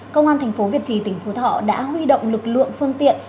công an thành phố việt trì tỉnh phú thọ đã huy động lực lượng phương tiện